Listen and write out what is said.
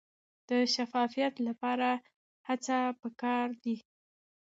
د شفافیت لپاره هڅې پکار دي.